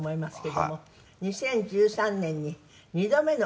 ２０１３年に２度目の。